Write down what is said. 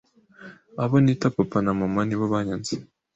abo nita Papa na Mama nibo banyanze